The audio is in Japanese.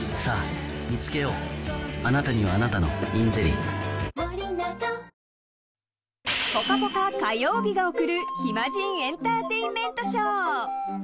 アサヒの緑茶「颯」「ぽかぽか」火曜日が送る暇人エンターテインメントショー。